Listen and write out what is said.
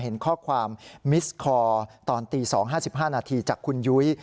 เห็นข้อความมิสคอร์ตอนตี๒๕๕นาทีจากคุณยุ้ย